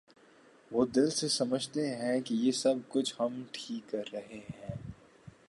وہ دل سے سمجھتے ہیں کہ یہ سب کچھ ہم ٹھیک کر رہے ہیں۔